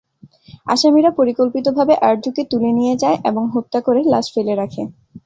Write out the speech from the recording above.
আসামিরা পরিকল্পিতভাবে আরজুকে তুলে নিয়ে যায় এবং হত্যা করে লাশ ফেলে রাখে।